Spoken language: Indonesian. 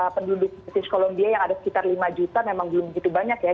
penduduk krisis columbia yang ada sekitar lima juta memang belum begitu banyak ya